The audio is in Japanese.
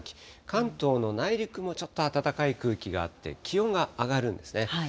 関東の内陸もちょっと暖かい空気があって気温が上がるんですね。